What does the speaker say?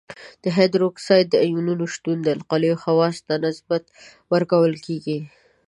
د هایدروکساید د آیونونو شتون د القلیو خواصو ته نسبت ورکول کیږي.